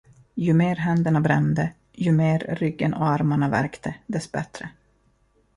Ju mer händerna brände, ju mer ryggen och armarna värkte, dess bättre.